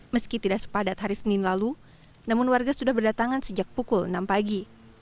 meski tidak sepadat hari senin lalu namun warga sudah berdatangan sejak pukul enam pagi